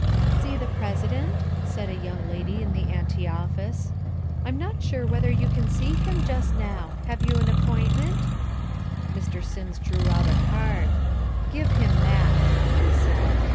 "See the President?" said a young lady in an ante office. "I'm not sure whether you can see him just now. Have you an appointment?" Mr. Sims drew out a card. "Give him that" he said.